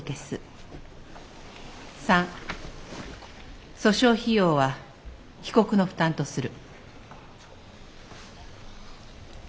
三訴訟費用は被告の負担とする」。